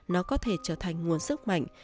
nó có thể trở thành nguồn sức mạnh